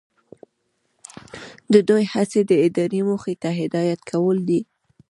د دوی هڅې د ادارې موخې ته هدایت کول دي.